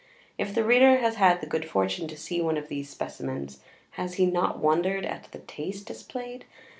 If the reader has had the good fortune to see one of these specimens, has he not wondered at the taste displayed?